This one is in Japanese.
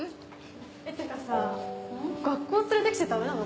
てかさ学校連れて来ちゃダメなの？